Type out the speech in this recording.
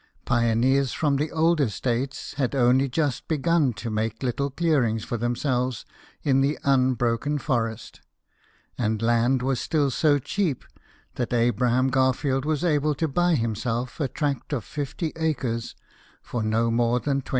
Pioneers from the older states hc,d only just begun to make little clearings for themselves in the unbroken forest ; and land was still so cheap that Abram Garfield was able to buy himself a tract of fifty acres for no more than 20.